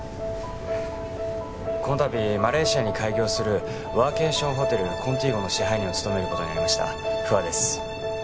このたびマレーシアに開業するワーケーションホテルコンティーゴの支配人を務めることになりました不破です